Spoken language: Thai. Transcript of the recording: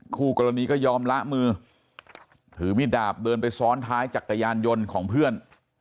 คู่กรณีก็ยอมละมือถือมิดดาบเดินไปซ้อนท้ายจักรยานยนต์ของเพื่อน